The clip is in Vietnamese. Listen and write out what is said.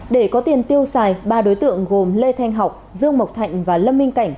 để có tiền tiêu xài ba đối tượng gồm lê thanh học dương mộc thạnh và lâm minh cảnh